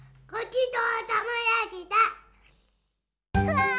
わ！